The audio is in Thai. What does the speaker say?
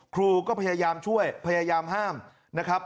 ครูก็พยายามช่วยพยายามห้ามนะครับ